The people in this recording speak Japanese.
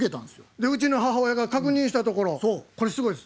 でうちの母親が確認したところこれすごいです。